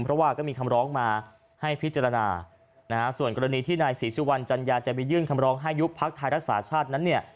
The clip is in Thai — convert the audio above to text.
เพราะว่าก็มีคำร้องมาให้พิจารณานะฮะส่วนกรณีที่นายศรีสุวรรณจัญญาจะไปยื่นคำร้องให้ยุบพักไทยรักษาชาตินั้นเนี่ย